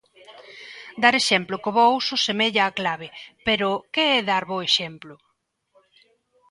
Dar exemplo co bo uso semella a clave, pero... que é dar bo exemplo?